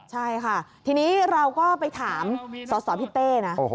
ใช่ค่ะทีนี้เราก็ไปถามสสพี่เต้นะ